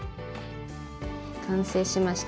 完成しました。